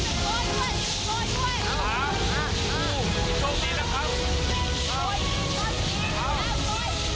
พรุ่งนี้๕สิงหาคมจะเป็นของใคร